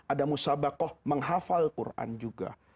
ada musabakoh menghafal quran juga